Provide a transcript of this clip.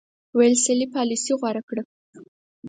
ویلسلي پالیسي غوره کړه.